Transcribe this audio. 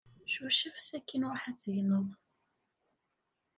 Cucef sakin ruḥ ad tegneḍ.